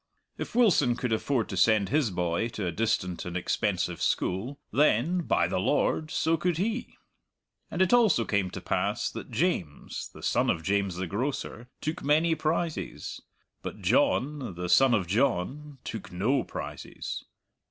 If Wilson could afford to send his boy to a distant and expensive school, then, by the Lord, so could he! And it also came to pass that James, the son of James the grocer, took many prizes; but John, the son of John, took no prizes.